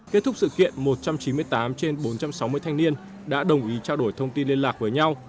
kết thúc sự kiện một trăm chín mươi tám trên bốn trăm sáu mươi thanh niên đã đồng ý trao đổi thông tin liên lạc với nhau